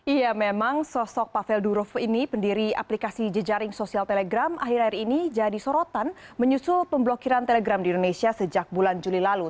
iya memang sosok pavel durov ini pendiri aplikasi jejaring sosial telegram akhir akhir ini jadi sorotan menyusul pemblokiran telegram di indonesia sejak bulan juli lalu